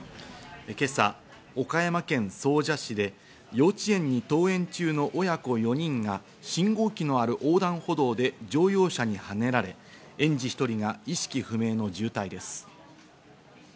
今朝、岡山県総社市で幼稚園に登園中の親子４人が信号機のある横断歩道で乗用車に跳ねられ、園児１人が意識不明の重体です。